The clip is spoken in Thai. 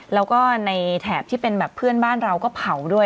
แล้วก็ในแถบที่เป็นแบบเพื่อนบ้านเราก็เผาด้วย